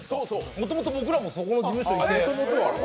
もともと、僕らもそこの事務所にいて。